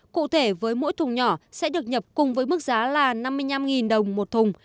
cụ thể với mỗi thùng nhỏ sẽ được nhập cùng với mức giá là năm mươi năm đồng một thùng